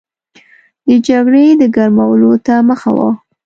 د جګړې د ګرمولو ته مخه وه.